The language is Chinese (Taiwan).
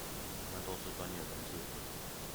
他們都是專業人士